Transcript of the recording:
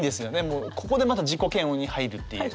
もうここでまた自己嫌悪に入るっていう。